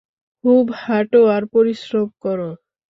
খুব হাঁটো আর পরিশ্রম কর।